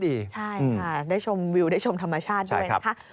ใช่ค่ะได้ชมวิวได้ชมธรรมชาติด้วยนะคะ